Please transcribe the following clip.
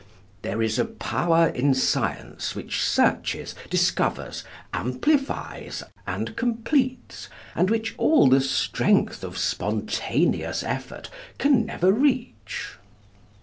'There is a power in science which searches, discovers, amplifies, and completes, and which all the strength of spontaneous effort can never reach.'